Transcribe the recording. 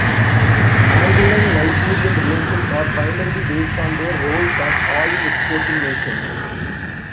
Angolan-Nigerian relations are primarily based on their roles as oil exporting nations.